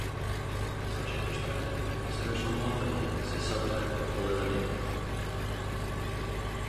Such a perspective considers homophony as a sub-type of polyphony.